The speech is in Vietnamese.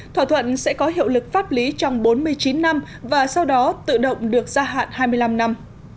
thỏa thuận sẽ có hiệu lực pháp lý trong bốn mươi chín năm và sau đó tự động được gia hạn hai mươi năm năm